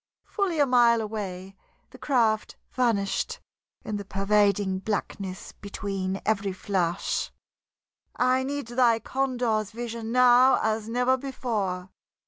Fully a mile away, the craft vanished in the pervading blackness between every flash. "I need thy condor's vision now as never before.